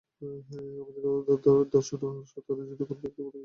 আমাদের দর্শন উহার সত্যতার জন্য কোন ব্যক্তিবিশেষের উপর নির্ভর করে না।